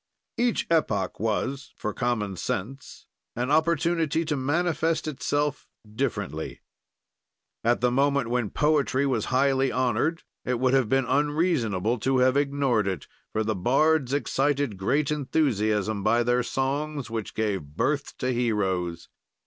Each epoch was, for common sense, an opportunity to manifest itself differently. At the moment when poetry was highly honored, it would have been unreasonable to have ignored it, for the bards excited great enthusiasm by their songs which gave birth to heroes.